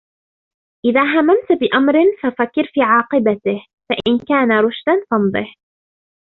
إذَا هَمَمْت بِأَمْرٍ فَفَكِّرْ فِي عَاقِبَتِهِ فَإِنْ كَانَ رُشْدًا فَأَمْضِهِ